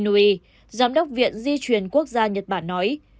ông ituro inouye giám đốc viện di truyền quốc gia nhật bản nói